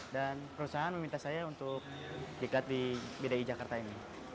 dan perusahaan meminta saya untuk diikat di bdi jakarta ini